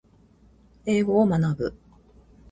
英語を学ぶ